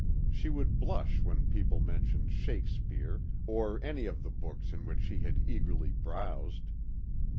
She would blush when people mentioned Shakespeare or any of the books in which she had eagerly browsed.